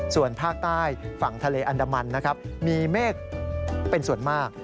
ส่วนภาคใต้ฝั่งทะเลอันดามันนะครับมีเมฆเป็นส่วนมาก